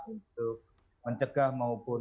untuk mencegah maupun